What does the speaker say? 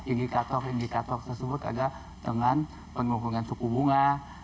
indikator indikator tersebut adalah dengan penghubungan suku bunga